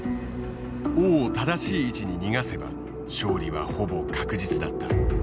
王を正しい位置に逃がせば勝利はほぼ確実だった。